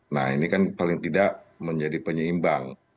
nah ini kan paling tidak menjadi penyeimbang